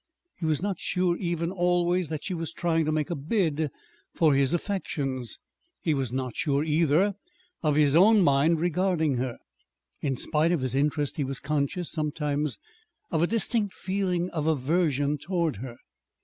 He was not sure even, always, that she was trying to make a bid for his affections. He was not sure, either, of his own mind regarding her. In spite of his interest, he was conscious, sometimes, of a distinct feeling of aversion toward her.